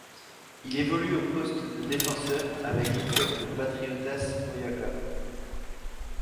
Il évolue au poste de défenseur avec le club de Patriotas Boyacá.